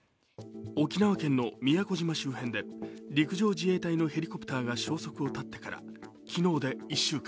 沖縄県の宮古島周辺で陸上自衛隊のヘリコプターが消息を絶ってから昨日で１週間。